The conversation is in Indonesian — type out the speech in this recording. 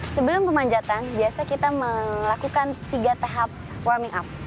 sebelum pemanjatan biasa kita melakukan tiga tahap warming up